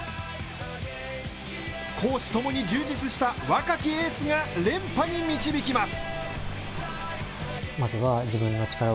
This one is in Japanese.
公私共に充実した若きエースが連覇に導きます。